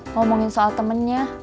ngomongin soal temennya